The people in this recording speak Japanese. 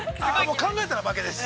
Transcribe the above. ◆考えたら負けです。